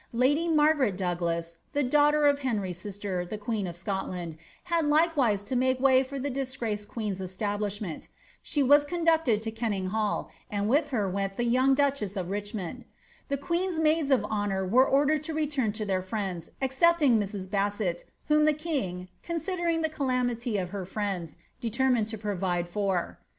'' Margaret ]>ougIas (the daughter of Henry's sister, the queen of Scotlai likewise to make way for the disgraced queen's establishment; she t ducted to Kenning hall, and with her went the young duchess of Ri< The queen's maids of honour were ordered to return to their friends, ei Mrs. Bassett, whom the king, "considering tlie calamity of her friendi mined to provide for."